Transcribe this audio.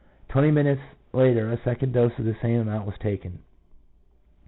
Twenty minutes later a second dose of the same amount was taken.